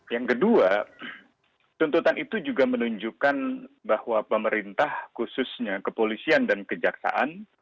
yang kedua tuntutan itu juga menunjukkan bahwa pemerintah khususnya kepolisian dan kejaksaan